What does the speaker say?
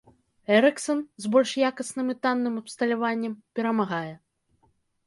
Эрыксан, з больш якасным і танным абсталяваннем, перамагае.